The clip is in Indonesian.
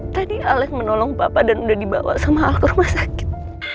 tadi al yang menolong papa dan udah dibawa sama al ke rumah sakit